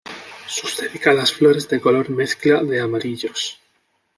Sus delicadas flores de color mezcla de amarillos.